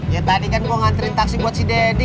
iya tadi kan gue ngantriin taksi buat si daddy